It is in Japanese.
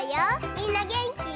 みんなげんき？